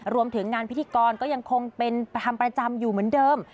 รวมถึงงานพิธีกรก็ยังคงเป็นทำประจำอยู่เหมือนเดิม